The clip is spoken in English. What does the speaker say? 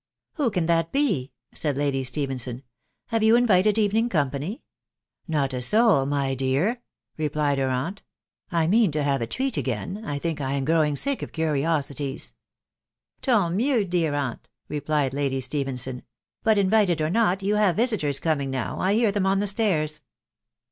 " Who can that be ?" said Lady Stephenson. et Have you invited evening company ?"" Not a soul, my dear," replied her aunt ;" I mean to have a treat again .... I think I am growing sick of curiosities." a Tant mieua, dear aunt !" replied Lady Stephenson. " But, invited or not/ yon have visitors coming now : 1 hear them on the stairs.